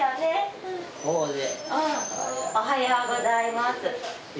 おはようございます。